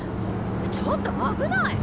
ちょっと危ない！